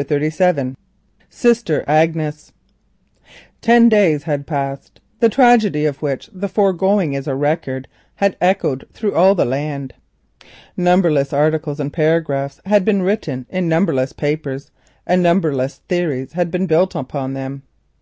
CHAPTER XXXVII. SISTER AGNES Ten days had passed. The tragedy had echoed through all the land. Numberless articles and paragraphs had been written in numberless papers, and numberless theories had been built upon them.